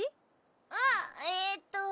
あっえーっと